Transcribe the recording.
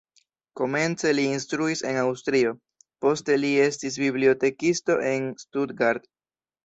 Komence li instruis en Aŭstrio, poste li estis bibliotekisto en Stuttgart.